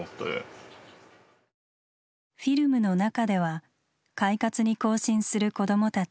フィルムの中では快活に行進する子どもたち。